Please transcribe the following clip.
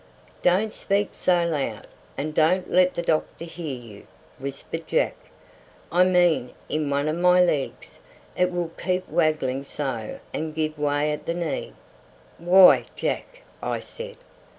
"Don't speak so loud, and don't let the doctor hear you," whispered Jack. "I mean in one of my legs: it will keep waggling so and giving way at the knee." "Why, Jack!" I said.